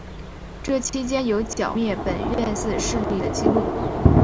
这期间有剿灭本愿寺势力的纪录。